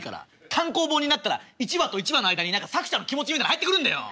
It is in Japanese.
単行本になったら１話と１話の間に何か作者の気持ちみたいなの入ってくるんだよ。